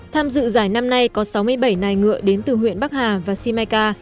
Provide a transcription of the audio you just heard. tham dự giải năm nay có sáu mươi bảy nài ngựa đến từ huyện bắc hà và si mai ca